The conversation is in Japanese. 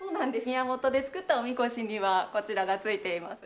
宮本で作った御神輿にはこちらがついています。